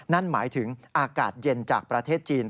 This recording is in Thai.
นั่นหมายถึงอากาศเย็นจากประเทศจีน